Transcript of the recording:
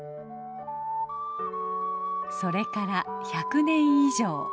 それから１００年以上。